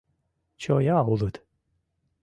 Чоя улыт!